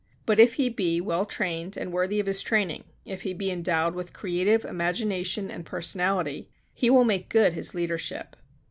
But if he be well trained and worthy of his training, if he be endowed with creative imagination and personality, he will make good his leadership.